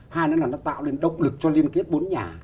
hai nữa là nó tạo nên động lực cho liên kết bốn nhà